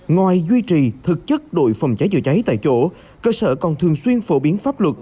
ngoài duy trì thực chất đội phòng cháy chữa cháy tại chỗ cơ sở còn thường xuyên phổ biến pháp luật